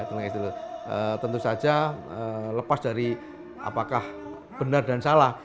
tentu saja lepas dari apakah benar dan salah